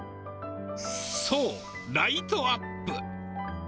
そう、ライトアップ。